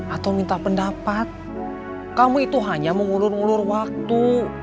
atau minta pendapat kamu itu hanya mengulur ulur waktu